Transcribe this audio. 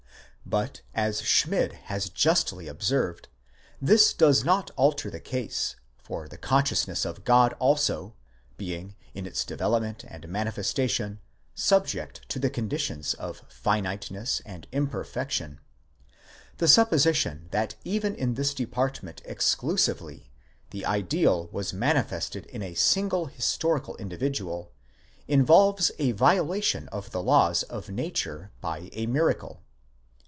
But, as Schmid has justly observed, this does not alter the case, for the consciousness of God also, | being, in its development and manifestation, subject to the conditions of finiteness and imperfection; the supposition that even in this department exclusively, the. ideal was manifested in a single historical individual, involves a violation of the laws of nature by a miracle.